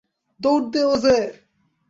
দৌড় দে, ওজে!